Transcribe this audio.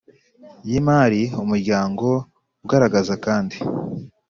Y imari umuryango ugaragaza kandi